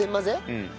うん。